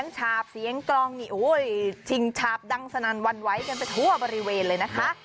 ฉาบเสียงกลองนี่โอ้ยชิงฉาบดังสนั่นวันไหวกันไปทั่วบริเวณเลยนะคะ